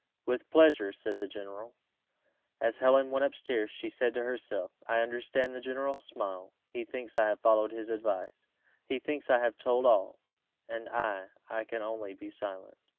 "With pleasure," said the general. As Helen went up stairs, she said to herself, "I understand the general's smile; he thinks I have followed his advice; he thinks I have told all and I I can only be silent."